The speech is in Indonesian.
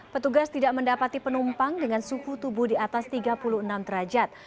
petugas tidak mendapati penumpang dengan suhu tubuh di atas tiga puluh enam derajat